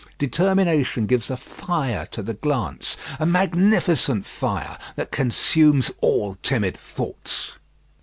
Determination gives a fire to the glance, a magnificent fire that consumes all timid thoughts.